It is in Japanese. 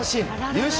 優勝